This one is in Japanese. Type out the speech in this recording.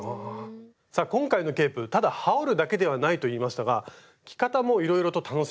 さあ今回のケープただ羽織るだけではないと言いましたが着方もいろいろと楽しめるんです。